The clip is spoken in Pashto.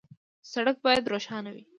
سړک باید روښانه وي.